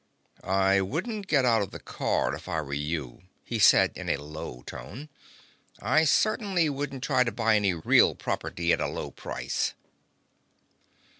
"I wouldn't get out of the car if I were you," he said in a low tone. "I certainly wouldn't try to buy any real property at a low price!"